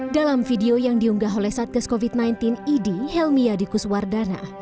dalam video yang diunggah oleh satgas covid sembilan belas idi helmi ya dikuswardana